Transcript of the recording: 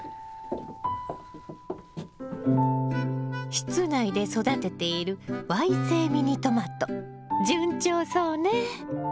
室内で育てているわい性ミニトマト順調そうね！